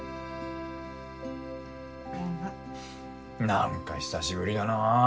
何か久しぶりだな。